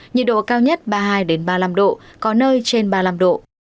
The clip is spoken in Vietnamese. nhiệt độ cao nhất ba mươi hai ba mươi năm độ có nơi trên ba mươi năm độ